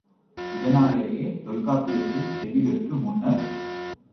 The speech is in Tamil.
இதனாலேயே, தொல்காப்பியத்தில் செய்யுளிற்கு முன்னர்